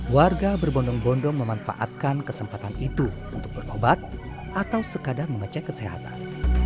warga berbondong bondong memanfaatkan kesempatan itu untuk berobat atau sekadar mengecek kesehatan